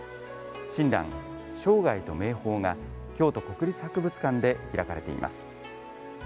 「親鸞−生涯と名宝」が京都国立博物館で開かれています。